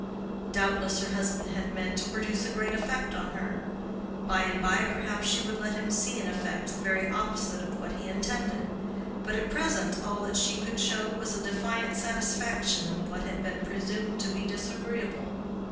Doubtless her husband had meant to produce a great effect on her: by and by perhaps she would let him see an effect the very opposite of what he intended; but at present all that she could show was a defiant satisfaction in what had been presumed to be disagreeable.